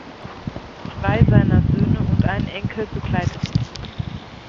Zwei seiner Söhne und ein Enkel begleiteten ihn.